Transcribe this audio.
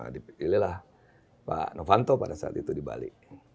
dipilihlah pak novanto pada saat itu di bali